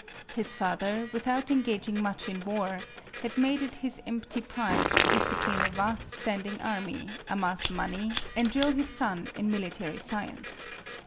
His father, without engaging much in war, had made it his empty pride to discipline a vast standing army, amass money, and drill his son in military science.